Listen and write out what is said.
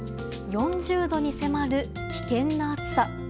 ４０度に迫る危険な暑さ。